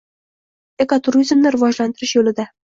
Ekoturizmni rivojlantirish yo‘lida